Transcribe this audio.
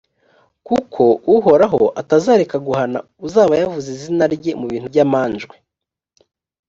kuko uhoraho atazareka guhana uzaba yavuze izina rye mu bintu by’amanjwe.